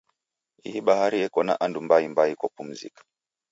Ihi bahari yeko na andu mbaimbai kopumzika.